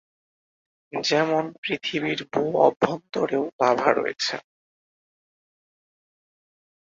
যেমন পৃথিবীর ভূ-অভ্যন্তরেও লাভা রয়েছে।